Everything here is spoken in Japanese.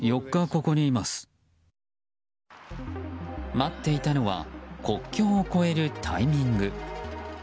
待っていたのは国境を越えるタイミング。